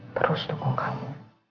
terus dukung kamu